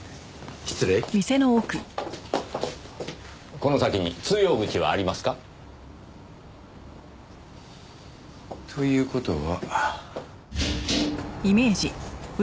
この先に通用口はありますか？という事は。